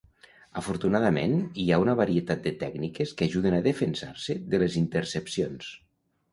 Afortunadament, hi ha una varietat de tècniques que ajuden a defensar-se de les intercepcions.